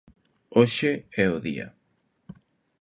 Hoxe é o día.